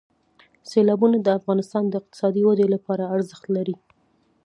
سیلابونه د افغانستان د اقتصادي ودې لپاره ارزښت لري.